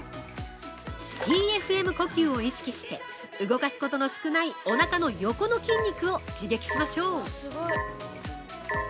◆Ｔ・Ｆ・Ｍ呼吸を意識して動かすことの少ないおなかの横の筋肉を刺激しましょう。